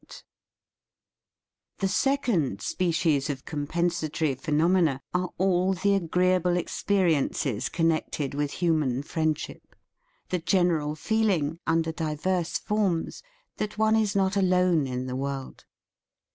[IIG] THE FEAST OF ST FRIEND The second species of compensatory phenomena are all the agreeable ex periences connected with human friend ship ; the general feeling, under diverse forms, that one is not alone in the world.